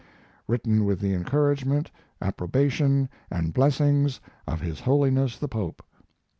"Written with the Encouragement, Approbation, and Blessings of His Holiness the Pope."